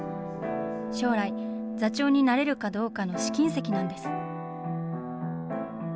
将来、座長になれるかどうかの試金石なんです。